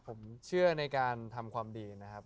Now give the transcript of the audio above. ผมเชื่อในการทำความดีนะครับ